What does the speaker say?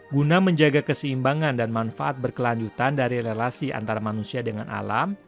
guna menjaga keseimbangan dan manfaat berkelanjutan dari relasi antara manusia dengan alam